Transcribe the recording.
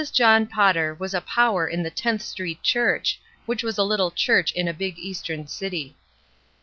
John Potter was a power in the 10th Street Church, which was a Uttle church in a big Eastern city.